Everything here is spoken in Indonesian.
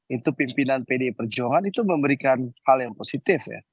itu pimpinan pdi perjuangan itu memberikan hal yang positif ya